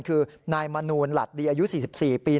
คือนายมนูลหลัดดีอายุ๔๔ปี